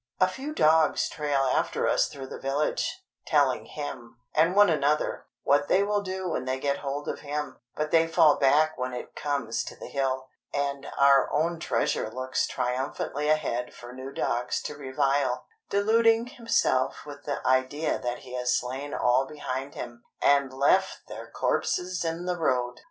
A few dogs trail after us through the village, telling him—and one another—what they will do when they get hold of him; but they fall back when it comes to the hill; and our own treasure looks triumphantly ahead for new dogs to revile; deluding himself with the idea that he has slain all behind him, and left their corpses in the road!